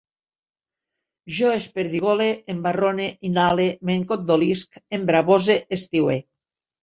Jo esperdigole, embarrone, inhale, m'encondolisc, embravose, estiue